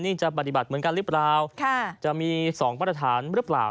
นี่จะปฏิบัติเหมือนกันหรือเปล่าจะมีสองมาตรฐานหรือเปล่า